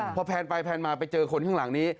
เพราะแผ่นไปแผ่นมาไปเจอคนข้างหลังนี้